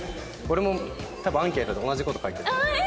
俺も多分アンケートで同じ事書いてる。